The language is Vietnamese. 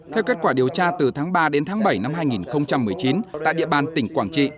theo kết quả điều tra từ tháng ba đến tháng bảy năm hai nghìn một mươi chín tại địa bàn tỉnh quảng trị